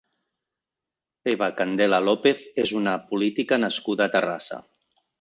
Eva Candela López és una política nascuda a Terrassa.